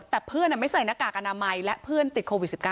แต่เพื่อนไม่ใส่หน้ากากอนามัยและเพื่อนติดโควิด๑๙